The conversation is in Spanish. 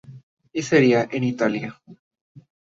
Y sería en Italia.